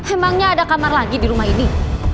emangnya ada kamar lagi di rumah ini